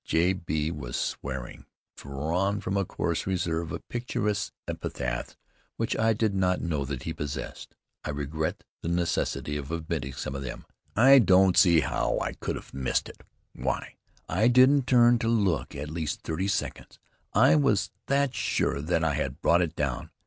J. B. was swearing, drawing from a choice reserve of picturesque epithets which I did not know that he possessed. I regret the necessity of omitting some of them. "I don't see how I could have missed it! Why, I didn't turn to look for at least thirty seconds. I was that sure that I had brought it down.